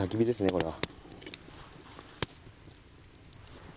これは。